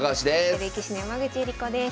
女流棋士の山口恵梨子です。